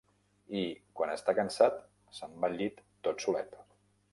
I, quan està cansat, se'n va al llit tot solet.